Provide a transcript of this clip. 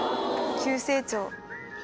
急成長。